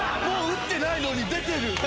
もう打ってないのに出てる。